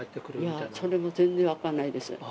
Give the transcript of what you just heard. いや、それも全然分かんないです。